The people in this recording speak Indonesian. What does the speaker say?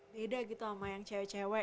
beda gitu sama yang cewek cewek